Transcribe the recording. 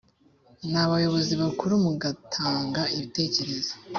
n abayobozi bakuru mu gutanga ibitekerezo